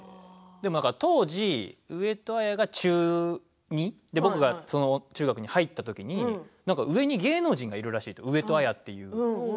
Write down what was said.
当時、上戸彩が中２で僕がその中学に入ったときに上に芸能人がいるらしい上戸彩っていって。